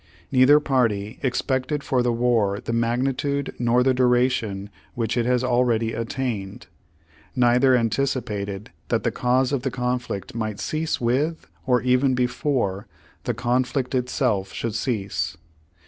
Neither party expected for the war the magnitude nor the duration which it has already attained. Neither anticipated that the cause of the con flict might cease with, or even before, the conflict itself should cease.